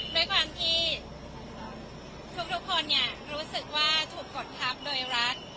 โดยความที่ทุกคนเนี่ยรู้สึกว่าถูกกฏทัพโดยรัฐ